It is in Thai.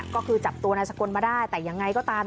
ก็คือจับตัวนายสกลมาได้แต่ยังไงก็ตาม